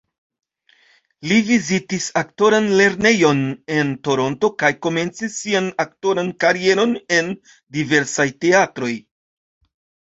Li vizitis aktoran lernejon en Toronto kaj komencis sian aktoran karieron en diversaj teatroj.